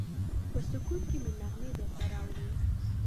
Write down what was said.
په سکوت کې مې نغمې درته راوړي